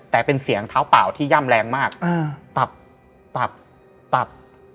แต่เป็นเสียงเท้าเปล่าที่ย่ำแรงมากตับตับตับ